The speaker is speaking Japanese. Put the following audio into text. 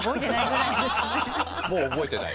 もう覚えてない。